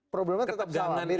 problemnya tetap sama